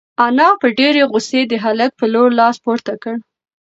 انا په ډېرې غوسې د هلک په لور لاس پورته کړ.